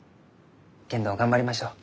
けんど頑張りましょう。